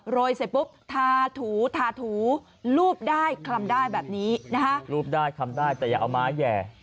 รวยเสร็จปุ๊บทาถูรูปได้คลำได้แบบนี้รูปได้คลรมได้แต่อย่าเอามาเอาแย่